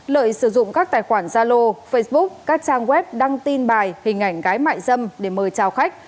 lợi sử dụng các tài khoản gia lô facebook các trang web đăng tin bài hình ảnh gái mại dâm để mời trao khách